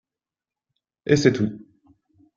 Et c'est tout